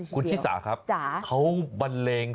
คุณชิสาครับเขาบันเลง